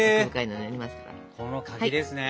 この柿ですね。